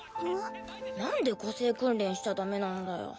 なんで個性訓練しちゃダメなんだよ。